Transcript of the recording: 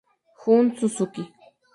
Jun Suzuki